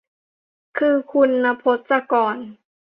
คือคุณณพจน์ศกร